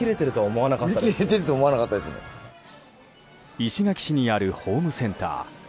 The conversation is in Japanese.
石垣市にあるホームセンター。